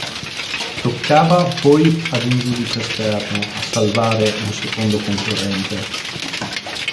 Toccava poi ad un giudice esterno a salvare un secondo concorrente.